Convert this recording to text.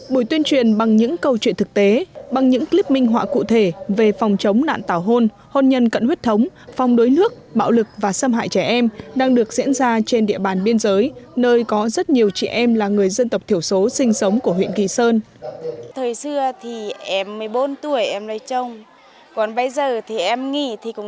buổi tuyên truyền bằng những câu chuyện thực tế bằng những clip minh họa cụ thể về phòng chống nạn tảo hôn hôn nhân cận huyết thống phòng đối nước bạo lực và xâm hại trẻ em đang được diễn ra trên địa bàn biên giới nơi có rất nhiều chị em là người dân tộc thiểu số sinh sống của huyện kỳ sơn